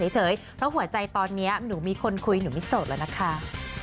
สวัสดีค่ะ